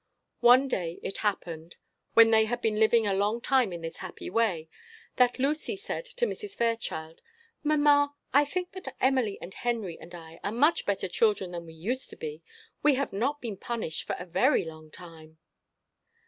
One day it happened, when they had been living a long time in this happy way, that Lucy said to Mrs. Fairchild, "Mamma, I think that Emily and Henry and I are much better children than we used to be; we have not been punished for a very long time."